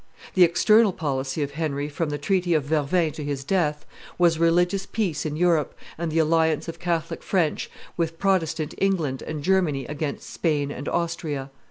The external policy of Henry from the treaty of Vervins to his death, was religious peace in Europe and the alliance of Catholic France with Protestant England and Germany against Spain and Austria.